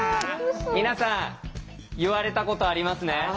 皆さん言われたことありますね？